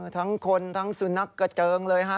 ทั้งคนทั้งสุนัขกระเจิงเลยฮะ